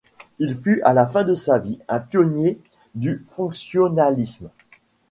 Il fut à la fin de sa vie un pionnier du fonctionnalisme.